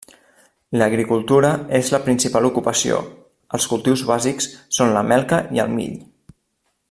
L'agricultura és la principal ocupació; els cultius bàsics són la melca i el mill.